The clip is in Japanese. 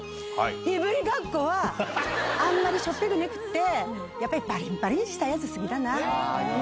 いぶりがっこは、あんまりしょっぺくねぐって、やっぱりばりんばりんしたやつ好きだな。